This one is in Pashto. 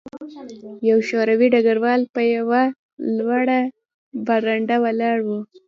یو شوروي ډګروال په یوه لوړه برنډه ولاړ و